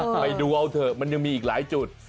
ไปดูเอาเถอะมันยังมีอีกหลายจุด